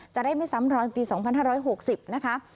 จะได้ไม่ซ้ำรอยปี๒๕๖๐นะคะ